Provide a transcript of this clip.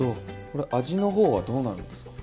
これ味の方はどうなるんですか？